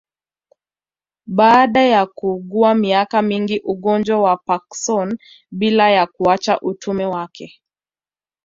Baada ya kuugua miaka mingi Ugonjwa wa Parknson bila ya kuacha utume wake